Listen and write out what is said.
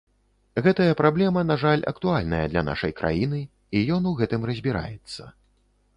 Гэтая праблема, на жаль, актуальная для нашай краіны, і ён у гэтым разбіраецца.